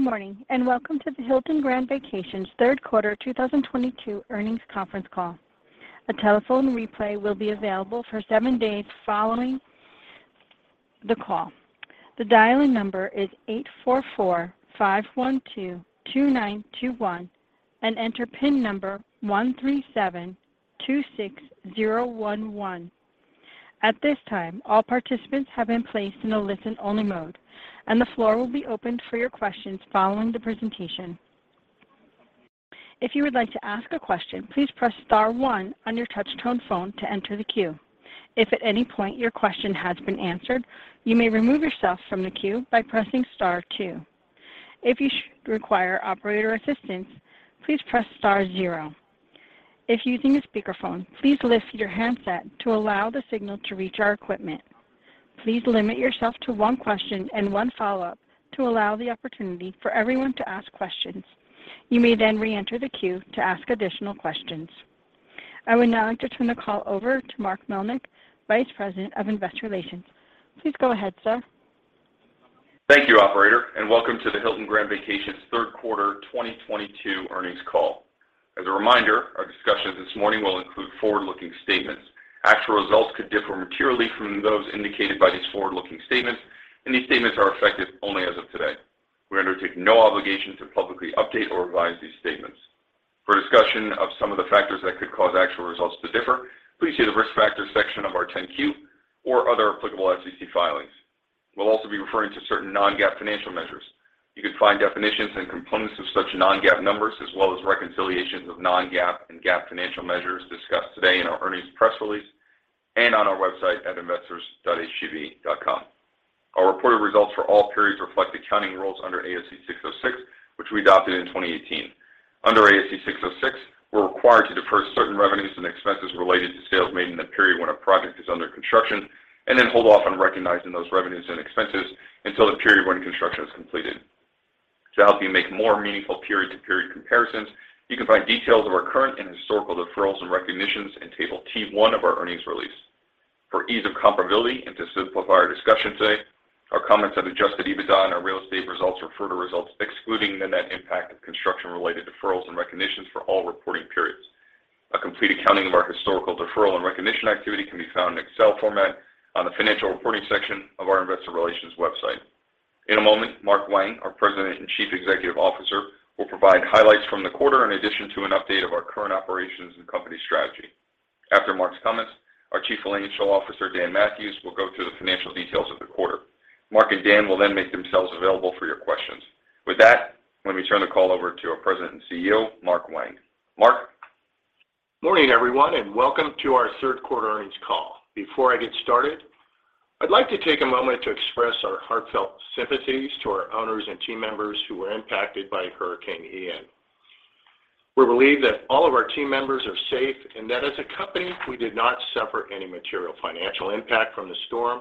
Good morning, and welcome to the Hilton Grand Vacations Third Quarter 2022 Earnings Conference Call. A telephone replay will be available for seven days following the call. The dial-in number is 844-512-2921 and enter PIN number 13726011. At this time, all participants have been placed in a listen-only mode, and the floor will be opened for your questions following the presentation. If you would like to ask a question, please press star one on your touch-tone phone to enter the queue. If at any point your question has been answered, you may remove yourself from the queue by pressing star two. If you require operator assistance, please press star zero. If using a speakerphone, please lift your handset to allow the signal to reach our equipment. Please limit yourself to one question and one follow-up to allow the opportunity for everyone to ask questions. You may then re-enter the queue to ask additional questions. I would now like to turn the call over to Mark Melnyk, Vice President of Investor Relations. Please go ahead ir. Thank you operator and welcome to the Hilton Grand Vacations third quarter 2022 earnings call. As a reminder, our discussion this morning will include forward-looking statements. Actual results could differ materially from those indicated by these forward-looking statements, and these statements are effective only as of today. We undertake no obligation to publicly update or revise these statements. For a discussion of some of the factors that could cause actual results to differ, please see the Risk Factors section of our 10-Q or other applicable SEC filings. We'll also be referring to certain non-GAAP financial measures. You can find definitions and components of such non-GAAP numbers as well as reconciliations of non-GAAP and GAAP financial measures discussed today in our earnings press release and on our website at investors.hgv.com. Our reported results for all periods reflect accounting rules under ASC 606, which we adopted in 2018. Under ASC 606, we're required to defer certain revenues and expenses related to sales made in the period when a project is under construction, and then hold off on recognizing those revenues and expenses until the period when construction is completed. To help you make more meaningful period-to-period comparisons, you can find details of our current and historical deferrals and recognitions in Table T-1 of our earnings release. For ease of comparability and to simplify our discussion today, our comments on adjusted EBITDA and our real estate results refer to results excluding the net impact of construction-related deferrals and recognitions for all reporting periods. A complete accounting of our historical deferral and recognition activity can be found in Excel format on the Financial Reporting section of our investor relations website. In a moment, Mark Wang, our President and Chief Executive Officer, will provide highlights from the quarter in addition to an update of our current operations and company strategy. After Mark's comments, our Chief Financial Officer, Dan Mathewes, will go through the financial details of the quarter. Mark and Dan will then make themselves available for your questions. With that, let me turn the call over to our President and CEO, Mark Wang. Mark? Morning everyone and welcome to our third quarter earnings call. Before I get started, I'd like to take a moment to express our heartfelt sympathies to our owners and team members who were impacted by Hurricane Ian. We believe that all of our team members are safe, and that as a company we did not suffer any material financial impact from the storm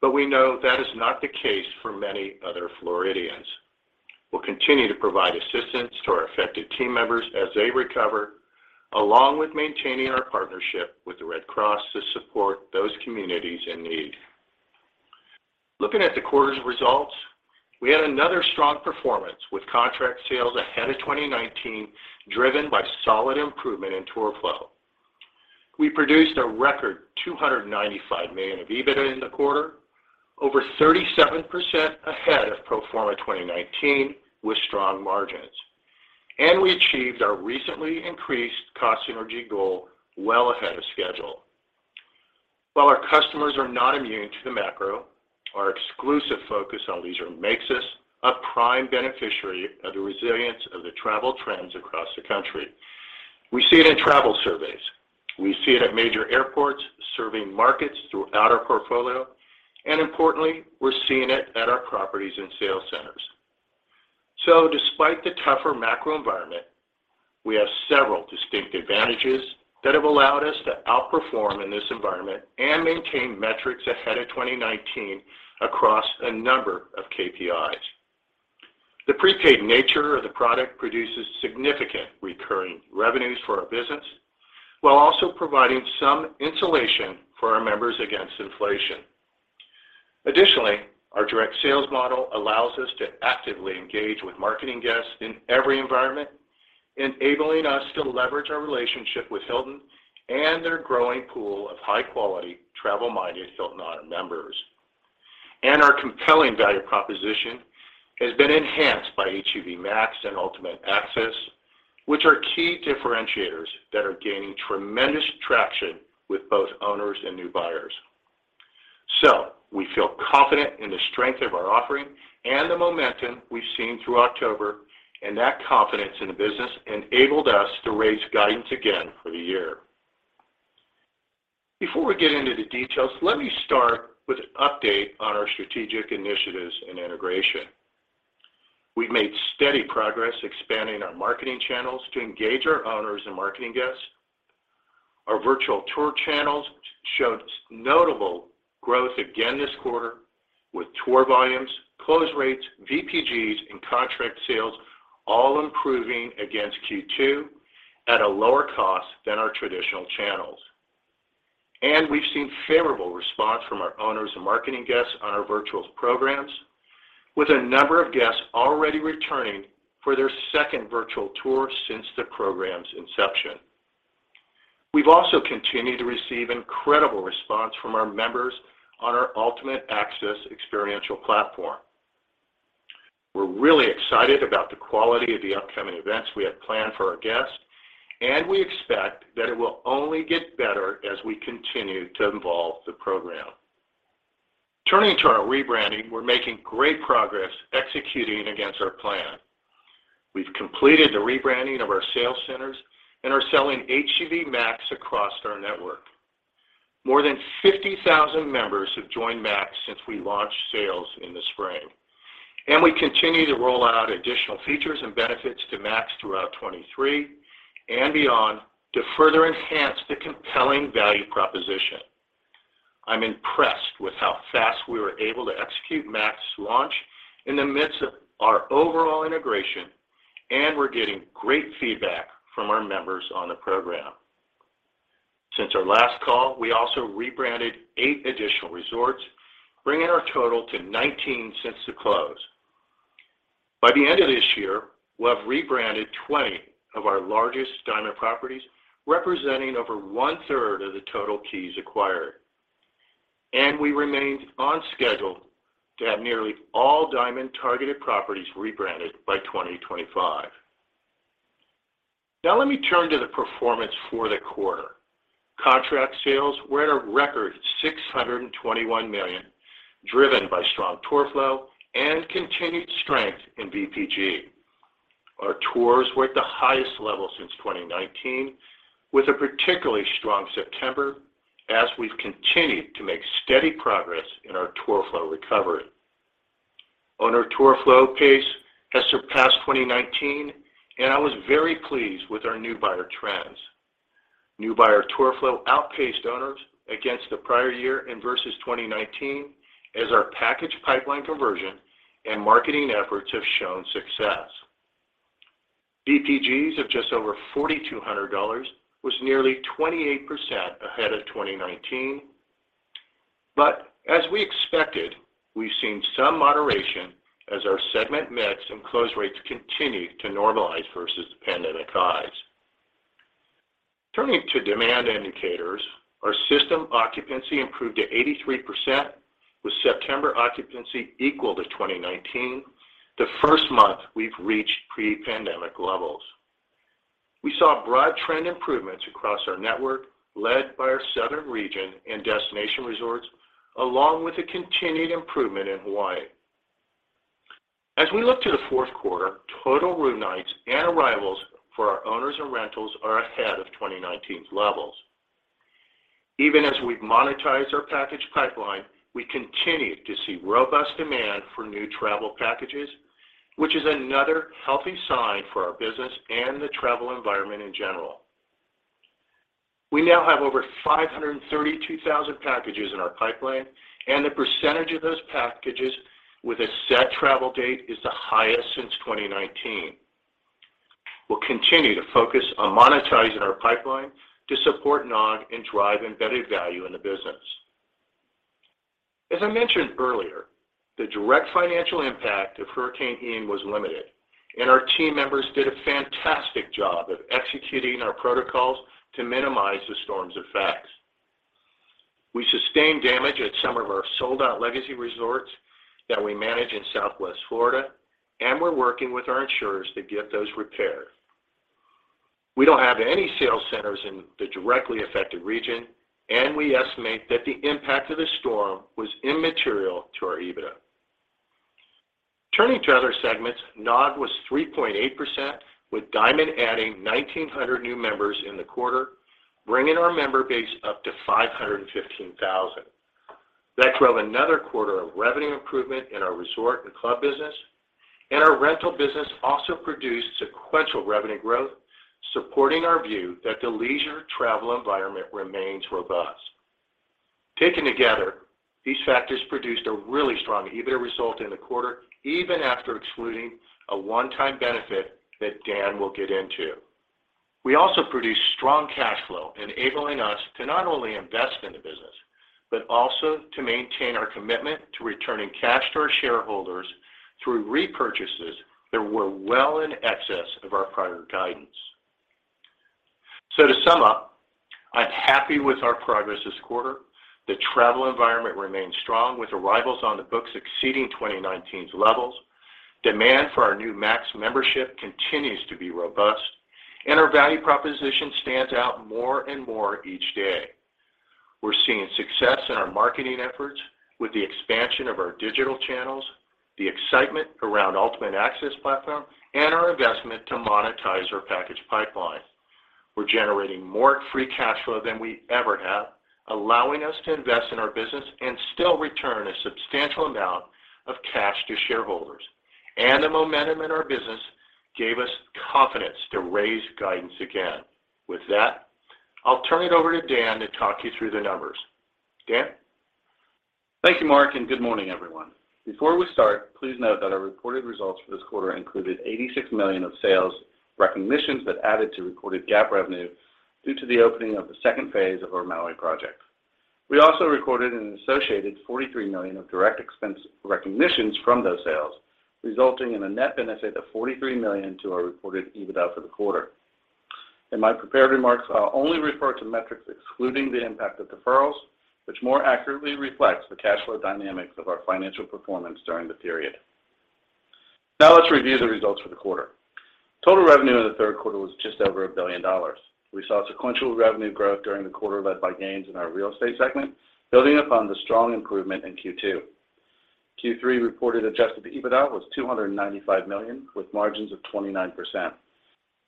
but we know that is not the case for many other Floridians. We'll continue to provide assistance to our affected team members as they recover, along with maintaining our partnership with the Red Cross to support those communities in need. Looking at the quarter's results, we had another strong performance with contract sales ahead of 2019, driven by solid improvement in tour flow. We produced a record $295 million of EBITDA in the quarter, over 37% ahead of pro forma 2019 with strong margins. We achieved our recently increased cost synergy goal well ahead of schedule. While our customers are not immune to the macro, our exclusive focus on leisure makes us a prime beneficiary of the resilience of the travel trends across the country. We see it in travel surveys. We see it at major airports serving markets throughout our portfolio, and importantly, we're seeing it at our properties and sales centers. Despite the tougher macro environment, we have several distinct advantages that have allowed us to outperform in this environment and maintain metrics ahead of 2019 across a number of KPIs. The prepaid nature of the product produces significant recurring revenues for our business while also providing some insulation for our members against inflation. Additionally, our direct sales model allows us to actively engage with marketing guests in every environment, enabling us to leverage our relationship with Hilton and their growing pool of high-quality, travel-minded Hilton Honors members. Our compelling value proposition has been enhanced by HGV Max and Ultimate Access, which are key differentiators that are gaining tremendous traction with both owners and new buyers. We feel confident in the strength of our offering and the momentum we've seen through October, and that confidence in the business enabled us to raise guidance again for the year. Before we get into the details, let me start with an update on our strategic initiatives and integration. We've made steady progress expanding our marketing channels to engage our owners and marketing guests. Our virtual tour channels showed notable growth again this quarter with tour volumes, close rates, VPGs, and contract sales all improving against Q2 at a lower cost than our traditional channels. We've seen favorable response from our owners and marketing guests on our virtual programs with a number of guests already returning for their second virtual tour since the program's inception. We've also continued to receive incredible response from our members on our Ultimate Access experiential platform. We're really excited about the quality of the upcoming events we have planned for our guests, and we expect that it will only get better as we continue to evolve the program. Turning to our rebranding, we're making great progress executing against our plan. We've completed the rebranding of our sales centers and are selling HGV Max across our network. More than 50,000 members have joined Max since we launched sales in the spring. We continue to roll out additional features and benefits to Max throughout 2023 and beyond to further enhance the compelling value proposition. I'm impressed with how fast we were able to execute Max launch in the midst of our overall integration, and we're getting great feedback from our members on the program. Since our last call, we also rebranded eight additional resorts, bringing our total to 19 since the close. By the end of this year, we'll have rebranded 20 of our largest Diamond properties, representing over 1/3 of the total keys acquired. We remained on schedule to have nearly all Diamond targeted properties rebranded by 2025. Now let me turn to the performance for the quarter. Contract sales were at a record $621 million, driven by strong tour flow and continued strength in VPG. Our tours were at the highest level since 2019, with a particularly strong September as we've continued to make steady progress in our tour flow recovery. Owner tour flow pace has surpassed 2019, and I was very pleased with our new buyer trends. New buyer tour flow outpaced owners against the prior year and versus 2019 as our package pipeline conversion and marketing efforts have shown success. VPGs of just over $4,200 was nearly 28% ahead of 2019. As we expected, we've seen some moderation as our segment mix and close rates continue to normalize versus pandemic highs. Turning to demand indicators, our system occupancy improved to 83%, with September occupancy equal to 2019, the first month we've reached pre-pandemic levels. We saw broad trend improvements across our network led by our southern region and destination resorts, along with a continued improvement in Hawaii. As we look to the fourth quarter, total room nights and arrivals for our owners and rentals are ahead of 2019 levels. Even as we've monetized our package pipeline, we continue to see robust demand for new travel packages, which is another healthy sign for our business and the travel environment in general. We now have over 532,000 packages in our pipeline, and the percentage of those packages with a set travel date is the highest since 2019. We'll continue to focus on monetizing our pipeline to support NOG and drive embedded value in the business. As I mentioned earlier, the direct financial impact of Hurricane Ian was limited, and our team members did a fantastic job of executing our protocols to minimize the storm's effects. We sustained damage at some of our sold-out legacy resorts that we manage in Southwest Florida, and we're working with our insurers to get those repaired. We don't have any sales centers in the directly affected region, and we estimate that the impact of the storm was immaterial to our EBITDA. Turning to other segments, NOG was 3.8%, with Diamond adding 1,900 new members in the quarter, bringing our member base up to 515,000. That drove another quarter of revenue improvement in our resort and club business. Our rental business also produced sequential revenue growth, supporting our view that the leisure travel environment remains robust. Taken together, these factors produced a really strong EBITDA result in the quarter, even after excluding a one-time benefit that Dan will get into. We also produced strong cash flow enabling us to not only invest in the business, but also to maintain our commitment to returning cash to our shareholders through repurchases that were well in excess of our prior guidance. To sum up, I'm happy with our progress this quarter. The travel environment remains strong, with arrivals on the books exceeding 2019's levels. Demand for our new Max membership continues to be robust, and our value proposition stands out more and more each day. We're seeing success in our marketing efforts with the expansion of our digital channels, the excitement around Ultimate Access platform, and our investment to monetize our package pipeline. We're generating more free cash flow than we ever have, allowing us to invest in our business and still return a substantial amount of cash to shareholders. The momentum in our business gave us confidence to raise guidance again. With that, I'll turn it over to Dan to talk you through the numbers. Dan? Thank you Mark and good morning everyone. Before we start, please note that our reported results for this quarter included $86 million of sales recognitions that added to reported GAAP revenue due to the opening of the second phase of our Maui project. We also recorded an associated $43 million of direct expense recognitions from those sales, resulting in a net benefit of $43 million to our reported EBITDA for the quarter. In my prepared remarks, I'll only refer to metrics excluding the impact of deferrals, which more accurately reflects the cash flow dynamics of our financial performance during the period. Now let's review the results for the quarter. Total revenue in the third quarter was just over $1 billion. We saw sequential revenue growth during the quarter led by gains in our real estate segment, building upon the strong improvement in Q2. Q3 reported adjusted EBITDA was $295 million, with margins of 29%.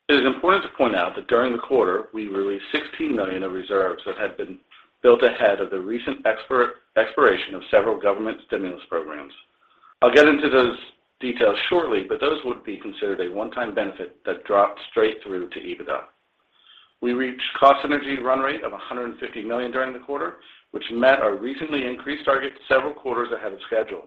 It is important to point out that during the quarter, we released $16 million of reserves that had been built ahead of the recent expiration of several government stimulus programs. I'll get into those details shortly, but those would be considered a one-time benefit that dropped straight through to EBITDA. We reached cost synergy run rate of $150 million during the quarter, which met our recently increased target several quarters ahead of schedule.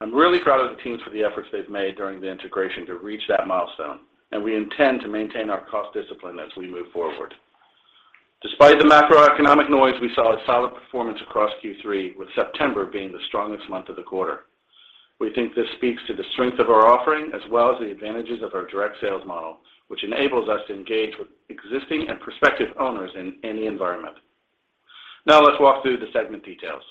I'm really proud of the teams for the efforts they've made during the integration to reach that milestone, and we intend to maintain our cost discipline as we move forward. Despite the macroeconomic noise, we saw a solid performance across Q3, with September being the strongest month of the quarter. We think this speaks to the strength of our offering as well as the advantages of our direct sales model, which enables us to engage with existing and prospective owners in any environment. Now let's walk through the segment details.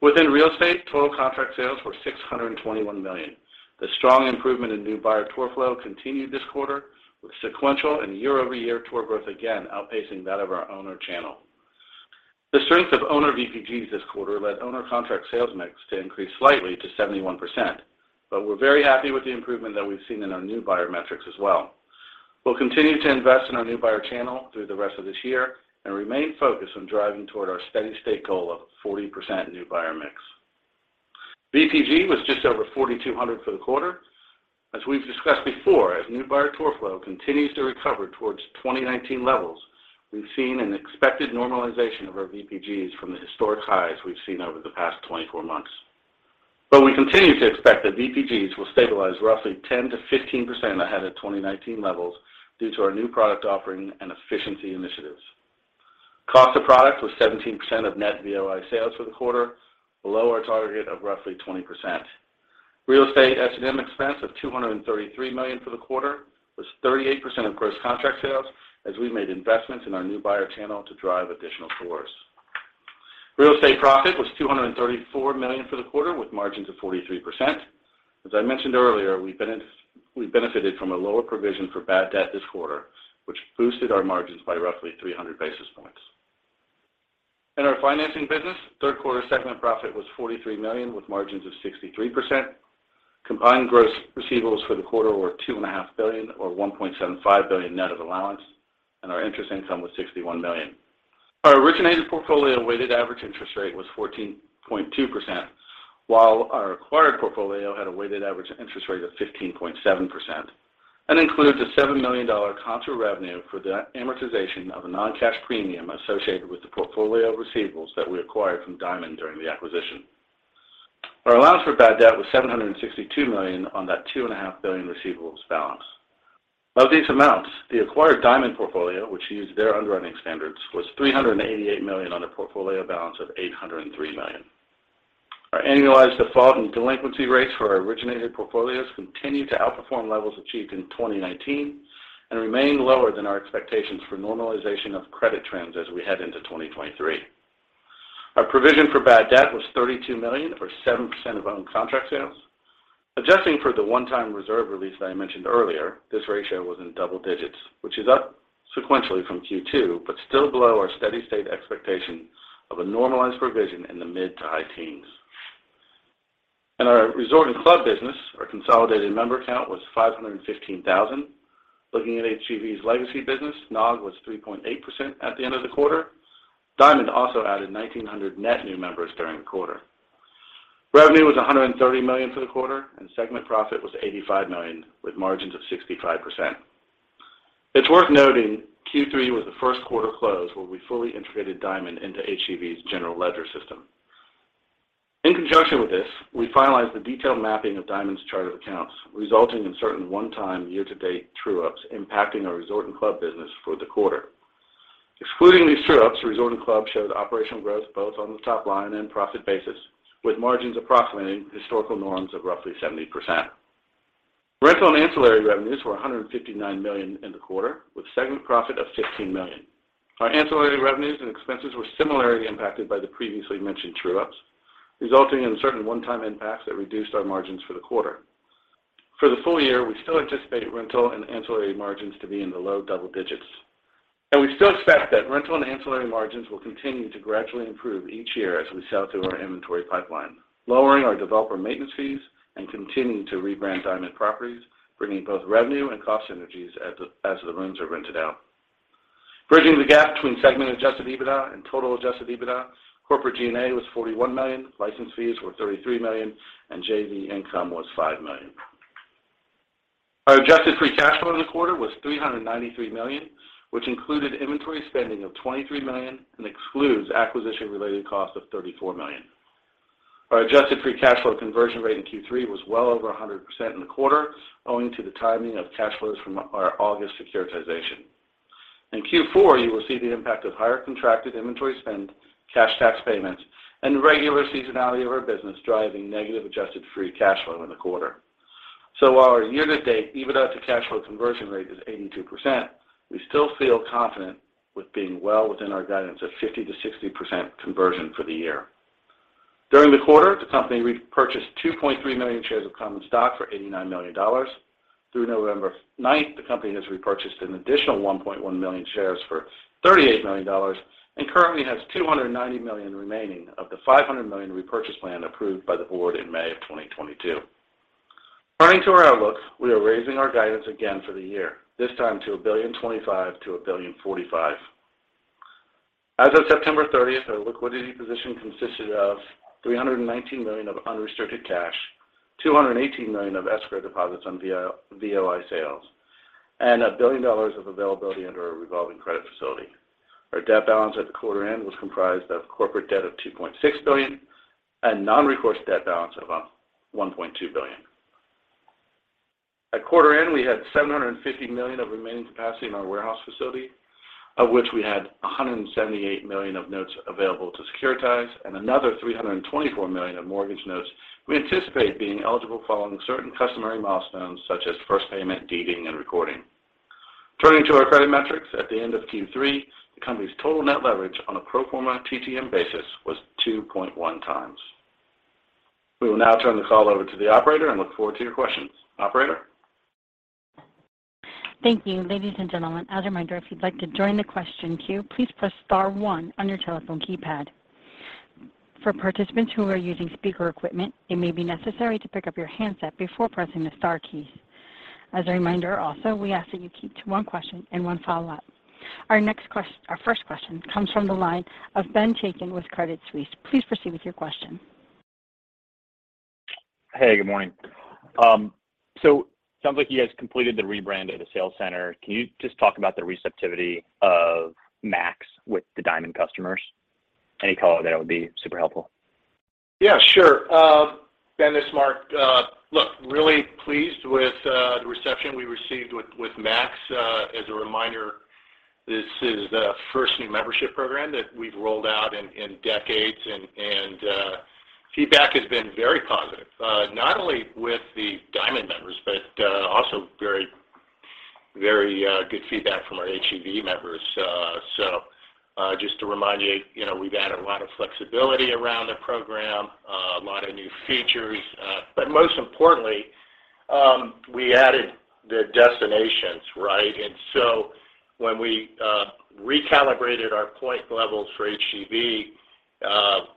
Within real estate, total contract sales were $621 million. The strong improvement in new buyer tour flow continued this quarter, with sequential and year-over-year tour growth again outpacing that of our owner channel. The strength of owner VPGs this quarter led owner contract sales mix to increase slightly to 71%, but we're very happy with the improvement that we've seen in our new buyer metrics as well. We'll continue to invest in our new buyer channel through the rest of this year and remain focused on driving toward our steady-state goal of 40% new buyer mix. VPG was just over 4,200 for the quarter. As we've discussed before, as new buyer tour flow continues to recover towards 2019 levels, we've seen an expected normalization of our VPGs from the historic highs we've seen over the past 24 months. We continue to expect that VPGs will stabilize roughly 10%-15% ahead of 2019 levels due to our new product offering and efficiency initiatives. Cost of product was 17% of net VOI sales for the quarter, below our target of roughly 20%. Real estate S&M expense of $233 million for the quarter was 38% of gross contract sales as we made investments in our new buyer channel to drive additional tours. Real estate profit was $234 million for the quarter, with margins of 43%. As I mentioned earlier, we've benefited from a lower provision for bad debt this quarter, which boosted our margins by roughly 300 basis points. In our financing business, third quarter segment profit was $43 million, with margins of 63%. Combined gross receivables for the quarter were $2.5 billion, or $1.75 billion net of allowance, and our interest income was $61 million. Our originated portfolio weighted average interest rate was 14.2%, while our acquired portfolio had a weighted average interest rate of 15.7%. That includes a $7 million contra revenue for the amortization of a non-cash premium associated with the portfolio of receivables that we acquired from Diamond during the acquisition. Our allowance for bad debt was $762 million on that $2.5 billion receivables balance. Of these amounts, the acquired Diamond portfolio, which used their underwriting standards, was $388 million on a portfolio balance of $803 million. Our annualized default and delinquency rates for our originated portfolios continue to outperform levels achieved in 2019 and remain lower than our expectations for normalization of credit trends as we head into 2023. Our provision for bad debt was $32 million, or 7% of owned contract sales. Adjusting for the one-time reserve release that I mentioned earlier, this ratio was in double digits, which is up sequentially from Q2, but still below our steady state expectation of a normalized provision in the mid to high teens. In our resort and club business, our consolidated member count was 515,000. Looking at HGV's legacy business, NOG was 3.8% at the end of the quarter. Diamond also added 1,900 net new members during the quarter. Revenue was $130 million for the quarter, and segment profit was $85 million, with margins of 65%. It's worth noting Q3 was the first quarter close where we fully integrated Diamond into HGV's general ledger system. In conjunction with this, we finalized the detailed mapping of Diamond's chart of accounts, resulting in certain one-time year-to-date true-ups impacting our resort and club business for the quarter. Excluding these true-ups, resort and club showed operational growth both on the top line and profit basis, with margins approximating historical norms of roughly 70%. Rental and ancillary revenues were $159 million in the quarter, with segment profit of $15 million. Our ancillary revenues and expenses were similarly impacted by the previously mentioned true-ups, resulting in certain one-time impacts that reduced our margins for the quarter. For the full year, we still anticipate rental and ancillary margins to be in the low double digits. We still expect that rental and ancillary margins will continue to gradually improve each year as we sell through our inventory pipeline, lowering our developer maintenance fees and continuing to rebrand Diamond properties, bringing both revenue and cost synergies as the rooms are rented out. Bridging the gap between segment adjusted EBITDA and total adjusted EBITDA, corporate G&A was $41 million, license fees were $33 million, and JV income was $5 million. Our adjusted free cash flow in the quarter was $393 million, which included inventory spending of $23 million and excludes acquisition related cost of $34 million. Our adjusted free cash flow conversion rate in Q3 was well over 100% in the quarter, owing to the timing of cash flows from our August securitization. In Q4, you will see the impact of higher contracted inventory spend, cash tax payments, and regular seasonality of our business driving negative adjusted free cash flow in the quarter. While our year-to-date EBITDA to cash flow conversion rate is 82%, we still feel confident with being well within our guidance of 50%-60% conversion for the year. During the quarter, the company repurchased 2.3 million shares of common stock for $89 million. Through November 9th, the company has repurchased an additional 1.1 million shares for $38 million and currently has $290 million remaining of the $500 million repurchase plan approved by the board in May 2022. Turning to our outlook, we are raising our guidance again for the year, this time to $1.025 billion-$1.045 billion. As of September 30, our liquidity position consisted of $319 million of unrestricted cash, $218 million of escrow deposits on VOI sales, and a billion dollars of availability under our revolving credit facility. Our debt balance at the quarter end was comprised of corporate debt of $2.6 billion and non-recourse debt balance of $1.2 billion. At quarter end, we had $750 million of remaining capacity in our warehouse facility, of which we had $178 million of notes available to securitize and another $324 million of mortgage notes we anticipate being eligible following certain customary milestones, such as first payment, deeding, and recording. Turning to our credit metrics, at the end of Q3, the company's total net leverage on a pro forma TTM basis was 2.1x. We will now turn the call over to the operator and look forward to your questions. Operator? Thank you. Ladies and gentlemen as a reminder, if you'd like to join the question queue, please press star one on your telephone keypad. For participants who are using speaker equipment, it may be necessary to pick up your handset before pressing the star key. As a reminder also, we ask that you keep to one question and one follow-up. Our first question comes from the line of Ben Chaiken with Credit Suisse. Please proceed with your question. Hey, good morning. Sounds like you guys completed the rebrand of the sales center. Can you just talk about the receptivity of Max with the Diamond customers? Any color there would be super helpful. Yeah, sure. Ben, this is Mark. Look, really pleased with the reception we received with Max. As a reminder, this is the first new membership program that we've rolled out in decades and feedback has been very positive, not only with the Diamond members, but also very good feedback from our HGV members. Just to remind you know, we've added a lot of flexibility around the program, a lot of new features, but most importantly, we added the destinations, right? When we recalibrated our point levels for HGV,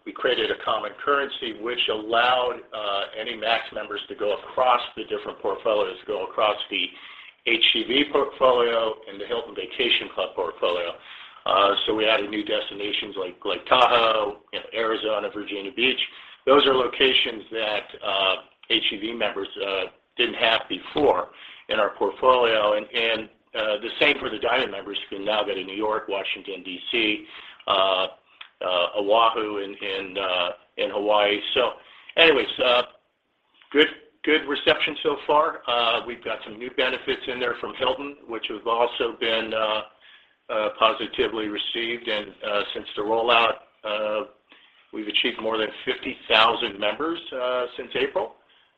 we created a common currency which allowed any Max members to go across the different portfolios, go across the HGV portfolio and the Hilton Vacation Club portfolio. We added new destinations like Lake Tahoe, you know, Arizona, Virginia Beach. Those are locations that HGV members didn't have before in our portfolio and the same for the Diamond members who can now go to New York, Washington, D.C., Oahu in Hawaii. Anyways, good reception so far. We've got some new benefits in there from Hilton, which have also been positively received. Since the rollout, we've achieved more than 50,000 members since April,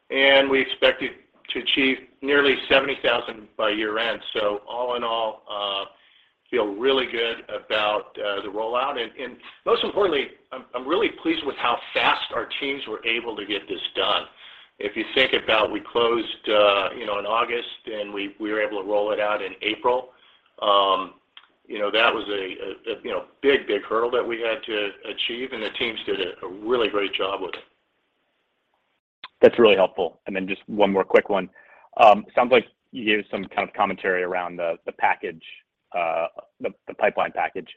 and we expect it to achieve nearly 70,000 by year-end. All in all, feel really good about the rollout. Most importantly, I'm really pleased with how fast our teams were able to get this done. If you think about, we closed you know in August, and we were able to roll it out in April, you know, that was a you know big hurdle that we had to achieve, and the teams did a really great job with it. That's really helpful. Just one more quick one. Sounds like you gave some kind of commentary around the package, the pipeline package.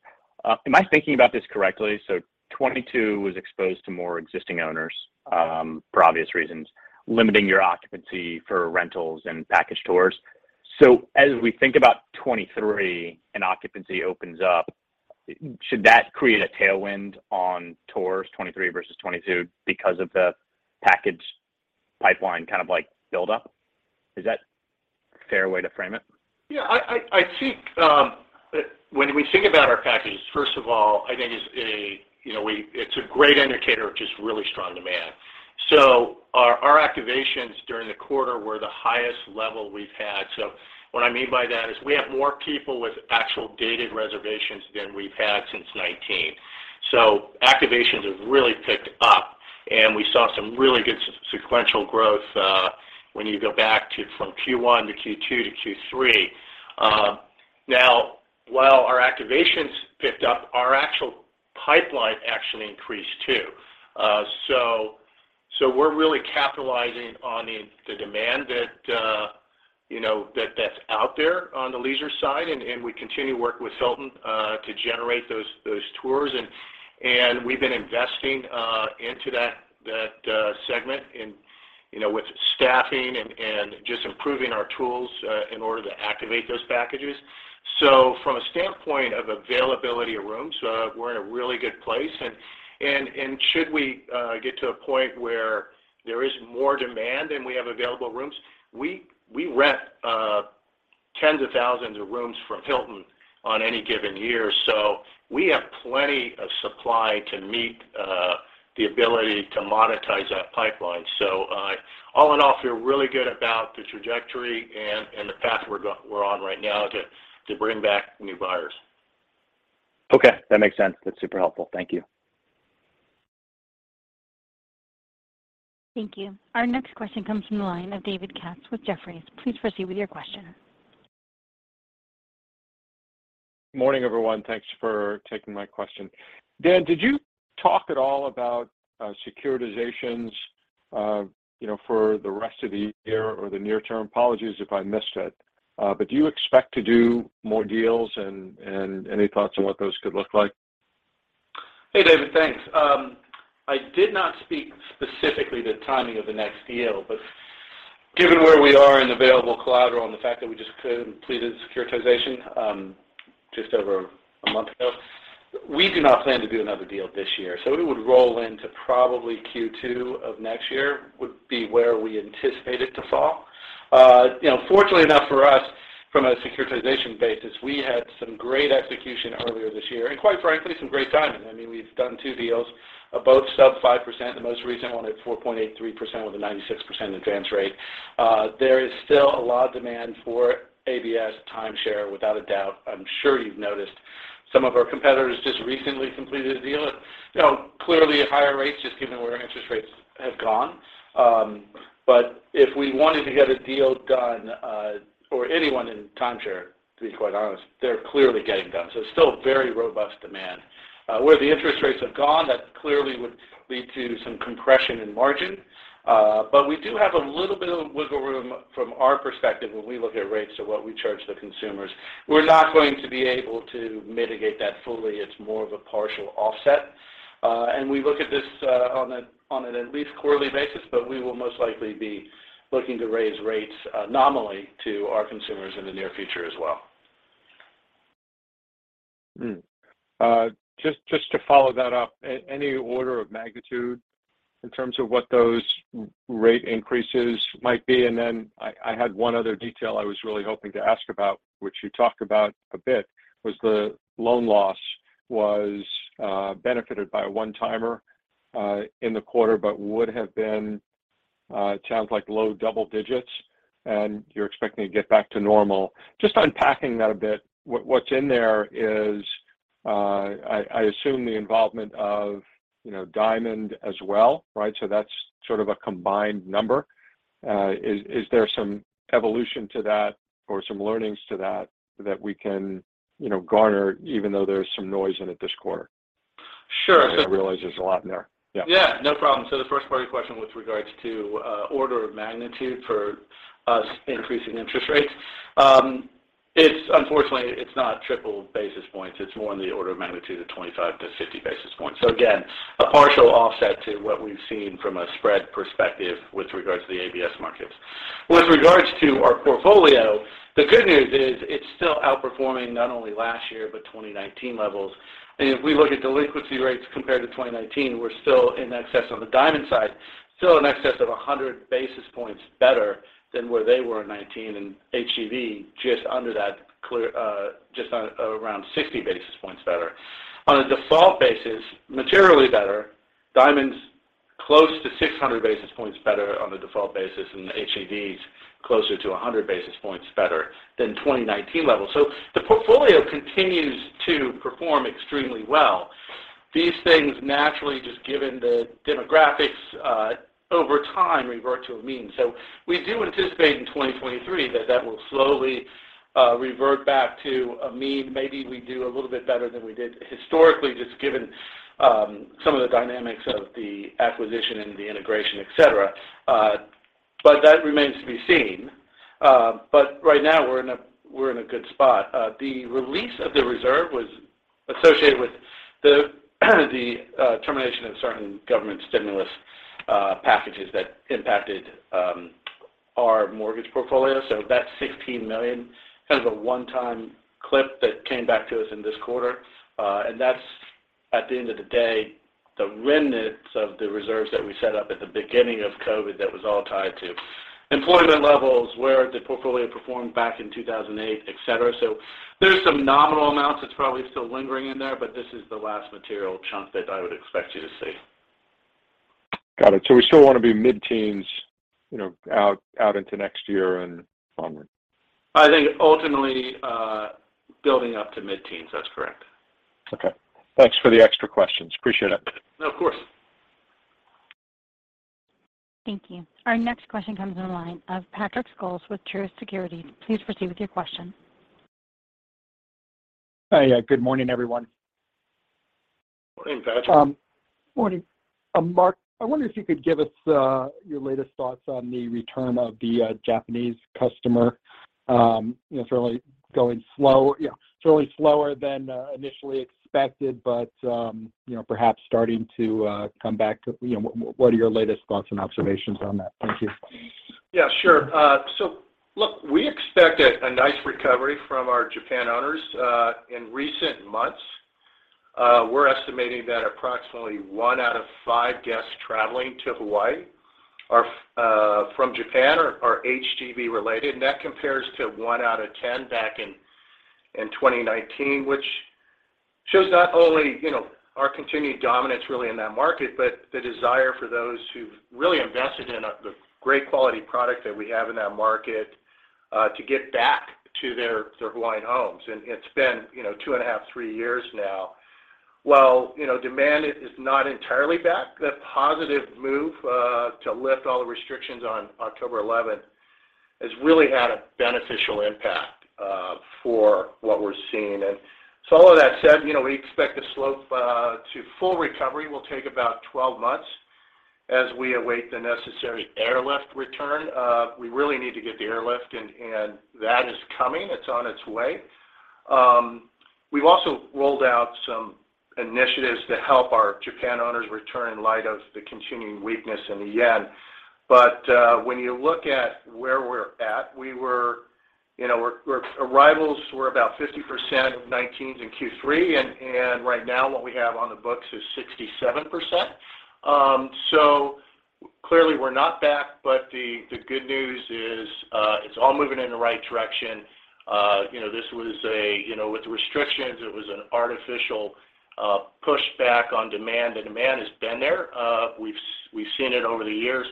Am I thinking about this correctly? 2022 was exposed to more existing owners, for obvious reasons, limiting your occupancy for rentals and package tours. As we think about 2023 and occupancy opens up, should that create a tailwind on tours 2023 versus 2022 because of the package pipeline kind of like buildup? Is that a fair way to frame it? Yeah, I think when we think about our packages, first of all, I think it's a, you know, it's a great indicator of just really strong demand. Our activations during the quarter were the highest level we've had. What I mean by that is we have more people with actual dated reservations than we've had since 2019. Activations have really picked up, and we saw some really good sequential growth when you go back from Q1 to Q2 to Q3. Now while our activations picked up, our actual pipeline actually increased too. We're really capitalizing on the demand that's out there on the leisure side, and we continue to work with Hilton to generate those tours. We've been investing into that segment in, you know, with staffing and just improving our tools in order to activate those packages. From a standpoint of availability of rooms, we're in a really good place. Should we get to a point where there is more demand than we have available rooms, we rent tens of thousands of rooms from Hilton on any given year. We have plenty of supply to meet the ability to monetize that pipeline. All in all, feel really good about the trajectory and the path we're on right now to bring back new buyers. Okay, that makes sense. That's super helpful, thank you. Thank you. Our next question comes from the line of David Katz with Jefferies. Please proceed with your question. Morning, everyone. Thanks for taking my question. Dan, did you talk at all about securitizations, you know, for the rest of the year or the near term? Apologies if I missed it. Do you expect to do more deals? Any thoughts on what those could look like? Hey David, thanks. I did not speak specifically the timing of the next deal, but given where we are in available collateral and the fact that we just completed securitization, just over a month ago, we do not plan to do another deal this year. It would roll into probably Q2 of next year, would be where we anticipate it to fall. You know, fortunately enough for us from a securitization basis, we had some great execution earlier this year and quite frankly, some great timing. I mean, we've done two deals, both sub 5%, the most recent one at 4.83% with a 96% advance rate. There is still a lot of demand for ABS timeshare, without a doubt. I'm sure you've noticed some of our competitors just recently completed a deal at, you know, clearly at higher rates just given where interest rates have gone. If we wanted to get a deal done, or anyone in timeshare, to be quite honest, they're clearly getting done. It's still very robust demand. Where the interest rates have gone, that clearly would lead to some compression in margin. We do have a little bit of wiggle room from our perspective when we look at rates to what we charge the consumers. We're not going to be able to mitigate that fully. It's more of a partial offset. We look at this on an at least quarterly basis, but we will most likely be looking to raise rates nominally to our consumers in the near future as well. Just to follow that up, any order of magnitude in terms of what those rate increases might be? Then I had one other detail I was really hoping to ask about, which you talked about a bit, was the loan loss benefited by a one-timer in the quarter, but would have been, it sounds like low double digits, and you're expecting to get back to normal. Just unpacking that a bit, what's in there is I assume the involvement of, you know, Diamond as well, right? So that's sort of a combined number. Is there some evolution to that or some learnings to that we can, you know, garner even though there's some noise in it this quarter? Sure. I realize there's a lot in there. Yeah. Yeah, no problem. The first part of your question with regards to order of magnitude for us increasing interest rates, it's unfortunately not triple basis points. It's more in the order of magnitude of 25-50 basis points. Again, a partial offset to what we've seen from a spread perspective with regards to the ABS markets. With regards to our portfolio, the good news is it's still outperforming not only last year, but 2019 levels. If we look at delinquency rates compared to 2019, we're still in excess on the Diamond side, still in excess of 100 basis points better than where they were in 2019 in HGV, just under that level, just around 60 basis points better. On a default basis, materially better, Diamond's close to 600 basis points better on a default basis, and the HGV's closer to 100 basis points better than 2019 levels. The portfolio continues to perform extremely well. These things naturally, just given the demographics, over time revert to a mean. We do anticipate in 2023 that that will slowly revert back to a mean. Maybe we do a little bit better than we did historically, just given some of the dynamics of the acquisition and the integration, etc. That remains to be seen. Right now we're in a good spot. The release of the reserve was associated with the termination of certain government stimulus packages that impacted our mortgage portfolio. That $16 million, kind of a one-time clip that came back to us in this quarter. That's at the end of the day, the remnants of the reserves that we set up at the beginning of COVID that was all tied to employment levels, where the portfolio performed back in 2008, etc.. There's some nominal amounts that's probably still lingering in there, but this is the last material chunk that I would expect you to see. Got it. We still wanna be mid-teens%, you know, out into next year and onward. I think ultimately, building up to mid-teens, that's correct. Okay, thanks for the extra questions. Appreciate it. Of course. Thank you. Our next question comes in the line of Patrick Scholes with Truist Securities. Please proceed with your question. Hi, good morning everyone. Morning Patrick. Morning. Mark, I wonder if you could give us your latest thoughts on the return of the Japanese customer. You know, it's really going slow. Yeah, it's really slower than initially expected, but you know, perhaps starting to come back to. You know, what are your latest thoughts and observations on that? Thank you. Yeah, sure. Look, we expect a nice recovery from our Japan owners. In recent months, we're estimating that approximately one out of five of guests traveling to Hawaii from Japan are HGV related, and that compares to one out of 10 back in 2019, which shows not only, you know, our continued dominance really in that market, but the desire for those who've really invested in the great quality product that we have in that market to get back to their Hawaiian homes. It's been, you know, two and a half, three years now. While, you know, demand is not entirely back, the positive move to lift all the restrictions on October 11th has really had a beneficial impact for what we're seeing. All of that said, you know, we expect the slope to full recovery will take about 12 months as we await the necessary airlift return. We really need to get the airlift and that is coming, it's on its way. We've also rolled out some initiatives to help our Japan owners return in light of the continuing weakness in the yen. When you look at where we're at, you know, our arrivals were about 50% of 2019s in Q3, and right now what we have on the books is 67%. So clearly we're not back, but the good news is, it's all moving in the right direction. You know, this was, you know, with the restrictions, it was an artificial pushback on demand. The demand has been there. We've seen it over the years,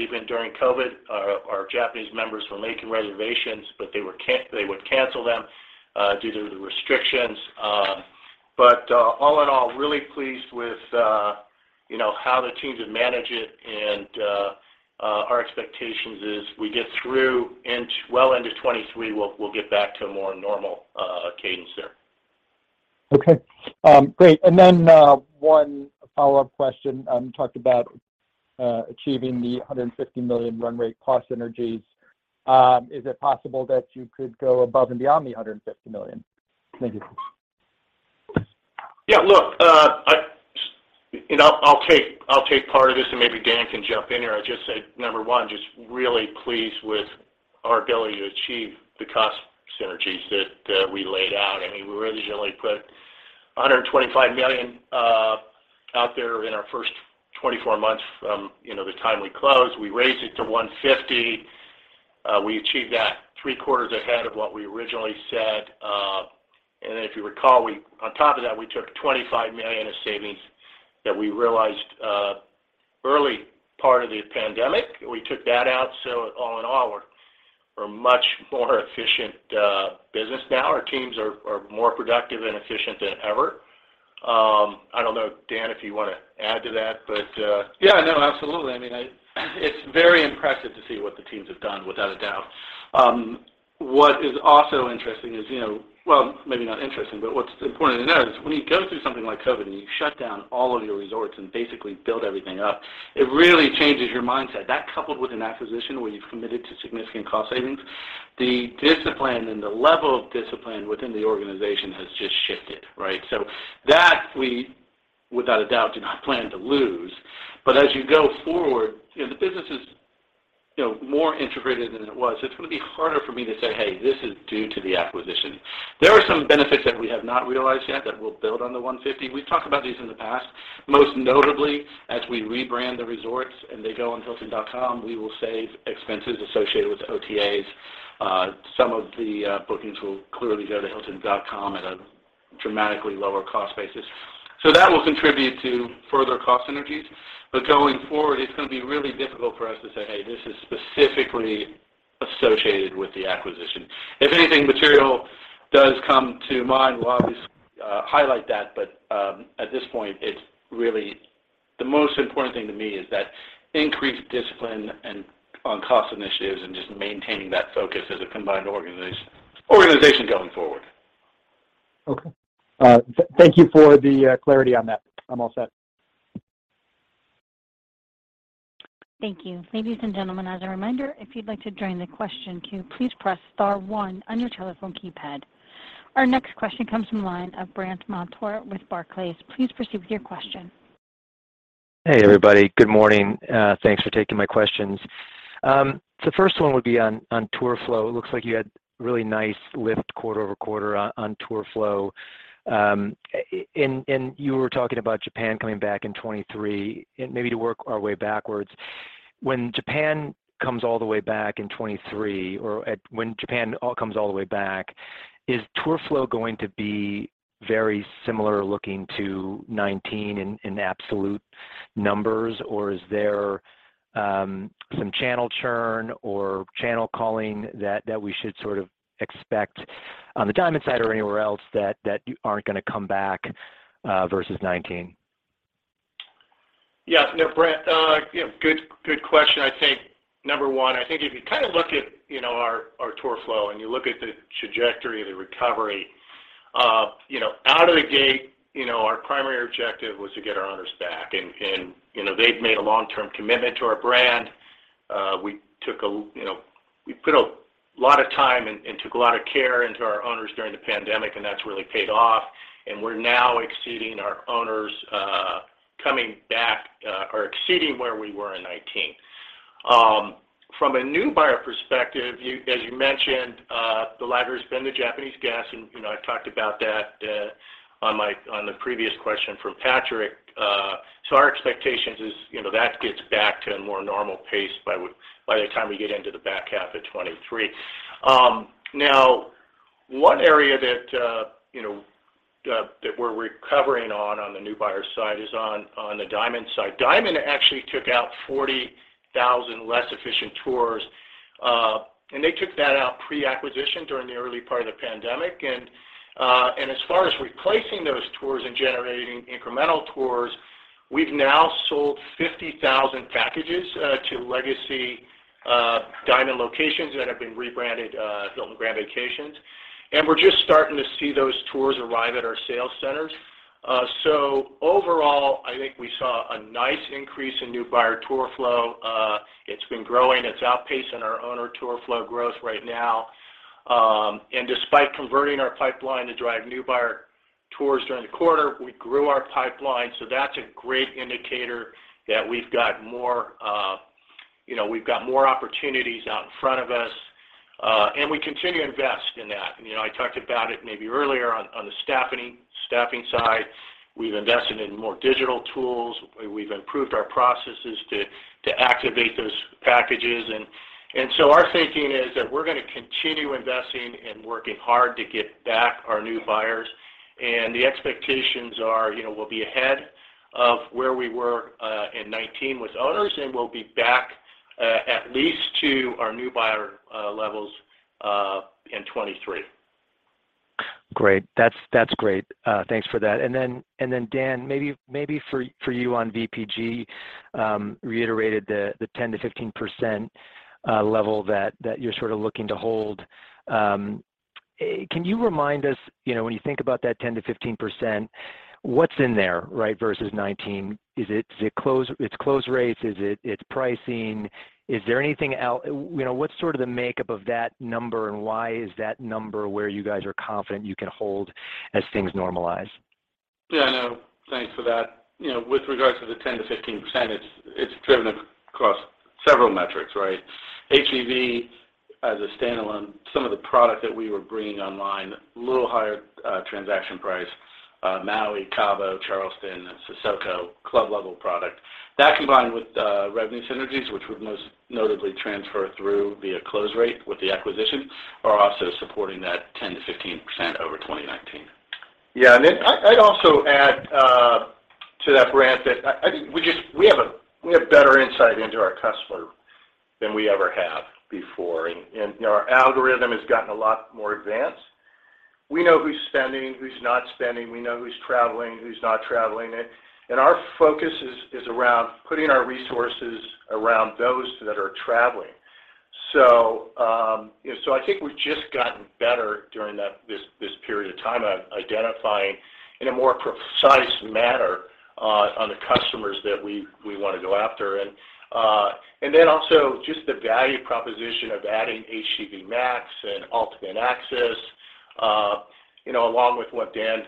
even during COVID our Japanese members were making reservations, but they would cancel them due to the restrictions. All in all, really pleased with, you know, how the teams have managed it and, our expectations is we get through well into 2023, we'll get back to a more normal, cadence there. Okay, great. One follow-up question. You talked about achieving the $150 million run rate cost synergies. Is it possible that you could go above and beyond the $150 million? Thank you. Yeah. Look, you know, I'll take part of this and maybe Dan can jump in here. I'd just say, number one, just really pleased with our ability to achieve the cost synergies that we laid out. I mean, we originally put $125 million out there in our first 24 months from, you know, the time we closed. We raised it to $150 million. We achieved that threequarters ahead of what we originally said. And then if you recall, on top of that, we took $25 million of savings that we realized early part of the pandemic, we took that out. So all in all, we're much more efficient business now. Our teams are more productive and efficient than ever. I don't know, Dan, if you wanna add to that, but— Yeah, no, absolutely. I mean, it's very impressive to see what the teams have done, without a doubt. What is also interesting is, you know. Well, maybe not interesting, but what's important to note is when you go through something like COVID and you shut down all of your resorts and basically build everything up, it really changes your mindset. That coupled with an acquisition where you've committed to significant cost savings, the discipline and the level of discipline within the organization has just shifted, right? So that we, without a doubt, do not plan to lose. But as you go forward, you know, the business is, you know, more integrated than it was. It's gonna be harder for me to say, "Hey, this is due to the acquisition." There are some benefits that we have not realized yet that we'll build on the $150. We've talked about these in the past, most notably as we rebrand the resorts and they go on hilton.com, we will save expenses associated with OTAs. Some of the bookings will clearly go to hilton.com at a dramatically lower cost basis that will contribute to further cost synergies. Going forward, it's gonna be really difficult for us to say, "Hey, this is specifically associated with the acquisition." If anything material does come to mind, we'll obviously highlight that. At this point, it's really the most important thing to me is that increased discipline and on cost initiatives and just maintaining that focus as a combined organization going forward. Okay. Thank you for the clarity on that. I'm all set. Thank you. Ladies and gentlemen as a reminder, if you'd like to join the question queue, please press star one on your telephone keypad. Our next question comes from the line of Brandt Montour with Barclays. Please proceed with your question. Hey everybody, good morning, thanks for taking my questions. So the first one would be on tour flow. It looks like you had really nice lift quarter-over-quarter on tour flow. And you were talking about Japan coming back in 2023. Maybe to work our way backwards, when Japan comes all the way back in 2023, is tour flow going to be very similar looking to 2019 in absolute numbers, or is there some channel churn or channel calling that we should sort of expect on the Diamond side or anywhere else that you aren't gonna come back versus 2019? Yeah. No Brant, yeah, good question. I think number one, if you kinda look at, you know, our tour flow, and you look at the trajectory of the recovery, you know, out of the gate, you know, our primary objective was to get our owners back and, you know, they've made a long-term commitment to our brand. You know, we put a lot of time and took a lot of care into our owners during the pandemic, and that's really paid off, and we're now exceeding our owners coming back or exceeding where we were in 2019. From a new buyer perspective, as you mentioned, the latter has been the Japanese guests and you know, I talked about that on the previous question from Patrick. Our expectations is, you know, that gets back to a more normal pace by the time we get into the back half of 2023. Now one area that you know that we're recovering on the new buyer side is on the Diamond side. Diamond actually took out 40,000 less efficient tours, and they took that out pre-acquisition during the early part of the pandemic. As far as replacing those tours and generating incremental tours, we've now sold 50,000 packages to legacy Diamond locations that have been rebranded Hilton Grand Vacations. We're just starting to see those tours arrive at our sales centers. Overall, I think we saw a nice increase in new buyer tour flow. It's been growing. It's outpacing our owner tour flow growth right now. Despite converting our pipeline to drive new buyer tours during the quarter, we grew our pipeline, so that's a great indicator that we've got more, you know, we've got more opportunities out in front of us, and we continue to invest in that. You know, I talked about it maybe earlier on the staffing side. We've invested in more digital tools. We've improved our processes to activate those packages. So our thinking is that we're gonna continue investing and working hard to get back our new buyers. The expectations are, you know, we'll be ahead of where we were in 2019 with owners, and we'll be back at least to our new buyer levels in 2023. Great, that's great, thanks for that. Then Dan, maybe for you on VPG, reiterated the 10%-15% level that you're sort of looking to hold. Can you remind us, you know, when you think about that 10%-15%, what's in there, right, versus 2019? Is it close rates? Is it pricing? Is there anything else? You know, what's sort of the makeup of that number, and why is that number where you guys are confident you can hold as things normalize? Yeah, I know, thanks for that. You know, with regards to the 10%-15%, it's driven across several metrics, right? HGV as a standalone, some of the product that we were bringing online, little higher transaction price, Maui, Cabo, Charleston, and Sesoko club level product. That combined with revenue synergies, which would most notably transfer through via close rate with the acquisition, are also supporting that 10%-15% over 2019. Yeah. I'd also add to that Brant, that I think we have better insight into our customer than we ever have before, and you know, our algorithm has gotten a lot more advanced. We know who's spending, who's not spending. We know who's traveling, who's not traveling, and our focus is around putting our resources around those that are traveling. You know, I think we've just gotten better during this period of time at identifying in a more precise manner on the customers that we wanna go after, and then also just the value proposition of adding HGV Max and Ultimate Access, you know, along with what Dan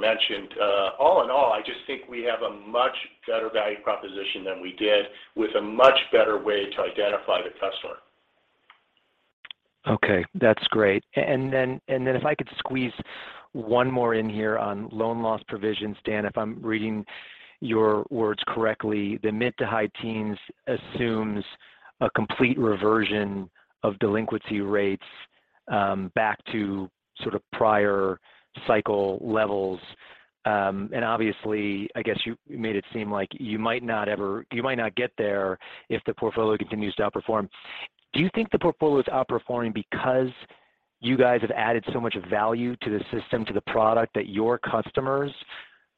mentioned. All in all, I just think we have a much better value proposition than we did with a much better way to identify the customer. Okay, that's great. Then if I could squeeze one more in here on loan loss provisions Dan, if I'm reading your words correctly, the mid- to high-teens assumes a complete reversion of delinquency rates back to sort of prior cycle levels. Obviously, I guess you made it seem like you might not get there if the portfolio continues to outperform. Do you think the portfolio is outperforming because you guys have added so much value to the system, to the product that your customers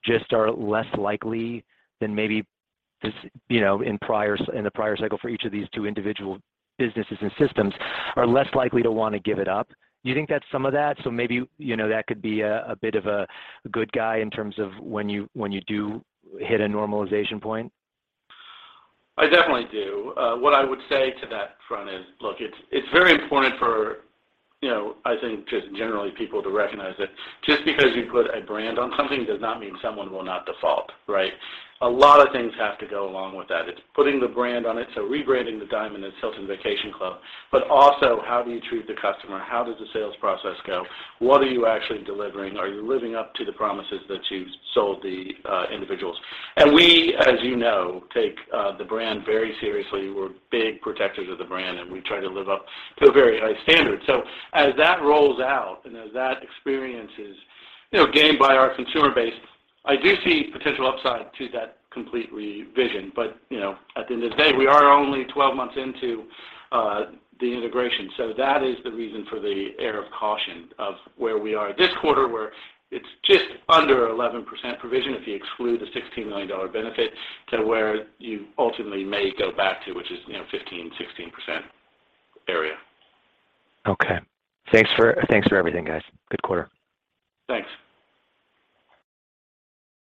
just are less likely than maybe this, you know, in the prior cycle for each of these two individual businesses and systems are less likely to wanna give it up? Do you think that's some of that? Maybe, you know, that could be a bit of a good guy in terms of when you do hit a normalization point. I definitely do. What I would say to that front is, look, it's very important for, you know, I think just generally people to recognize that just because you put a brand on something does not mean someone will not default, right? A lot of things have to go along with that. It's putting the brand on it, so rebranding the Diamond as Hilton Vacation Club. But also, how do you treat the customer? How does the sales process go? What are you actually delivering? Are you living up to the promises that you've sold the individuals? We, as you know, take the brand very seriously. We're big protectors of the brand, and we try to live up to a very high standard. As that rolls out and as that experience is, you know, gained by our consumer base, I do see potential upside to that complete revision. But, you know, at the end of the day, we are only 12 months into the integration. That is the reason for the era of caution of where we are this quarter, where it's just under 11% provision, if you exclude the $16 million benefit, to where you ultimately may go back to, which is, you know, 15%-16% area. Okay, thanks for everything, guys. Good quarter. Thanks.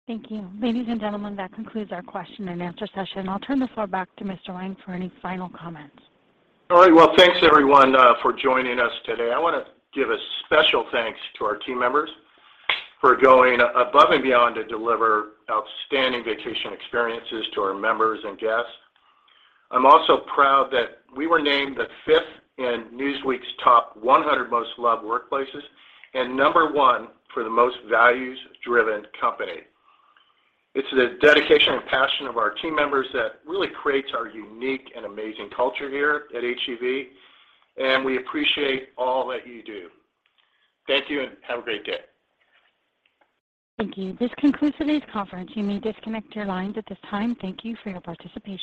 Thank you. Ladies and gentlemen that concludes our question and answer session. I'll turn the floor back to Mr. Wang for any final comments. All right. Well, thanks everyone for joining us today. I wanna give a special thanks to our team members for going above and beyond to deliver outstanding vacation experiences to our members and guests. I'm also proud that we were named the fifth in Newsweek's Top 100 Most Loved Workplaces, and number one for the Most Values-Driven Company. It's the dedication and passion of our team members that really creates our unique and amazing culture here at HGV, and we appreciate all that you do. Thank you and have a great day. Thank you, this concludes today's conference. You may disconnect your lines at this time. Thank you for your participation.